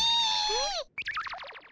えっ？